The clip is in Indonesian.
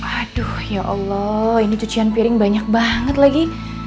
aduh ya allah ini cucian piring banyak banget lagi